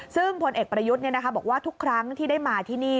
ซึ่งพลเอกประยุทธ์บอกว่าทุกครั้งที่ได้มาที่นี่